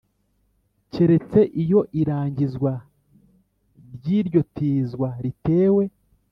keretse iyo irangizwa ry iryo tizwa ritewe